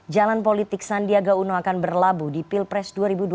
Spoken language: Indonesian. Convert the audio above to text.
jalan politik sandiaga uno akan berlabuh di pilpres dua ribu dua puluh